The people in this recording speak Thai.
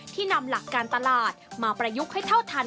นำหลักการตลาดมาประยุกต์ให้เท่าทัน